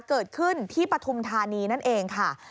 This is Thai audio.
เกิดขึ้นที่ปฐุมธานีนั่นเองค่ะ